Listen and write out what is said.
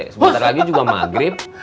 sebenernya lagi juga maghrib